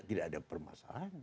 tidak ada permasalahan